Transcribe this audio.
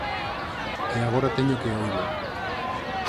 E agora teño que oílo.